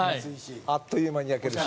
あっという間に焼けるし。